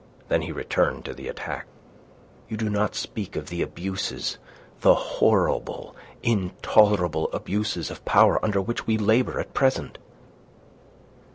Then he returned to the attack. "You do not speak of the abuses, the horrible, intolerable abuses of power under which we labour at present."